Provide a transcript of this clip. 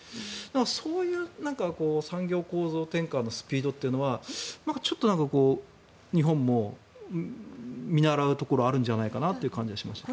そういう産業構造転換のスピードというのはちょっと日本も見習うところがあるんじゃないかなという感じがしましたね。